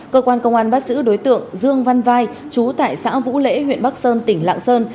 cơ quan công an bắt giữ đối tượng dương văn vai chú tại xã vũ lễ huyện bắc sơn tỉnh lạng sơn